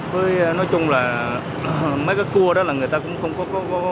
tôi nói chung là mấy cái cua đó là người ta cũng không có